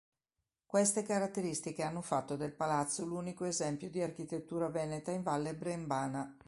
Queste caratteristiche hanno fatto del Palazzo l’unico esempio di architettura veneta in Valle Brembana.